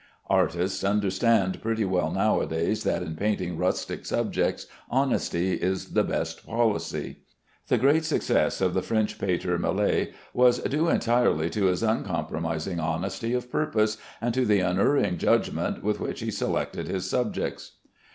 Artists understand pretty well nowadays that in painting rustic subjects, honesty is the best policy. The great success of the French painter, Millet, was due entirely to his uncompromising honesty of purpose, and to the unerring judgment with which he selected his subjects.